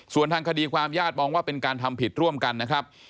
ส่วนทางคดีความญาติมองว่าเป็นการทำผิดร่วมกันนะครับ